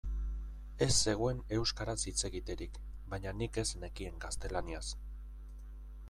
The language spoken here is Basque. Ez zegoen euskaraz hitz egiterik, baina nik ez nekien gaztelaniaz.